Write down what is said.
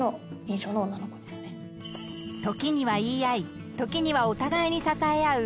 ［時には言い合い時にはお互いに支え合う］